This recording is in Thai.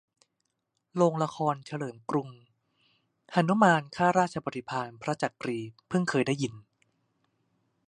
โรงละครเฉลิมกรุง :"หนุมานข้าราชบริพารพระจักรี" เพิ่งเคยได้ยิน